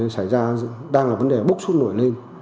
xảy ra đang là vấn đề bốc xúc nổi lên